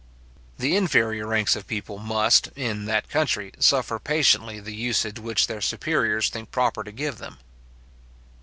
The inferior ranks of people must, in that country, suffer patiently the usage which their superiors think proper to give them.